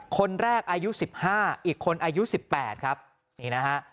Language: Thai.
คนแรกอายุ๑๕อีกคนอายุ๑๘ครับนี่นะฮะ